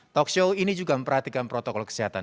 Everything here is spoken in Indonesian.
talkshow ini juga memperhatikan protokol kesehatan